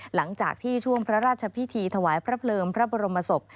หลังจากที่ช่วงพระราชพิธีถวายพระเพลิงพระบรมศพ